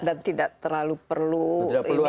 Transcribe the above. dan tidak terlalu perlu equipment yang